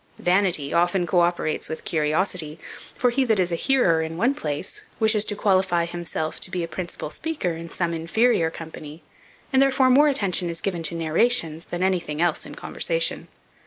Vanity often co operates with curiosity; for he that is a hearer in one place wishes to qualify himself to be a principal speaker in some inferior company; and therefore more attention is given to narrations than anything else in conversation.